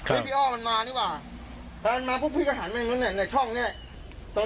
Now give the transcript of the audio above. ไอ้เสื้อขาวที่ว่าของพ่อมานั่งกินอยู่ข้างนู้น